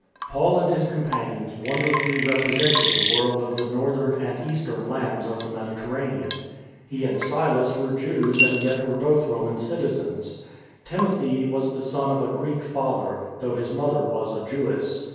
Paul and his companions wonderfully represented the world of the northern and eastern lands of the Mediterranean. He and Silas were Jews and yet were 176 WESTWARD HOI 177 both Roman citizens. Timothy was the son of a Greek father, though his mother was a Jewess.